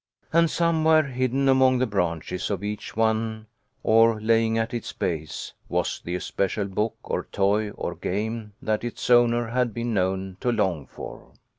And somewhere, hidden among the branches of each one, or lying at its base, was the especial book or toy or game that its owner had been known to long for.